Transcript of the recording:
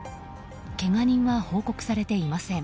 けが人は報告されていません。